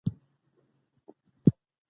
د سند رود د مهاراجا په کنټرول کي و.